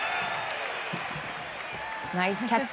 ナイスキャッチ。